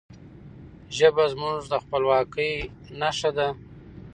ژبه زموږ د خپلواکی نښه ده.